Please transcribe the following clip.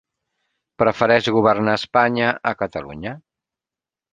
Prefereix governar Espanya a Catalunya.